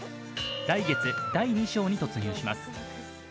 来月、第２章に突入します。